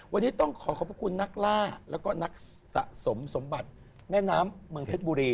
วันนี้ต้องขอขอบพระคุณนักล่าแล้วก็นักสะสมสมบัติแม่น้ำเมืองเพชรบุรี